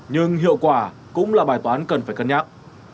nhưng hiệu quả cũng là bài toán cần phải cân nhắc